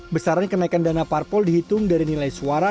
besaran kenaikan dana parpol dihitung dari nilai suara